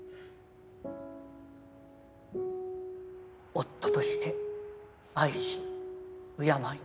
夫として愛し敬い